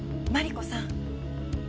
マリコさん